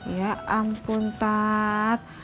ya ampun tat